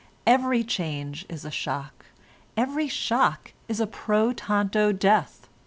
Every change is a shock; every shock is a pro tanto death.